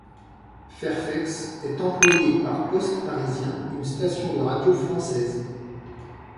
Fairfax est employé par Poste Parisien, une station de radio française.